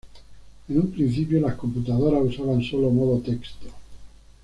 En un principio, las computadoras usaban solo modo texto.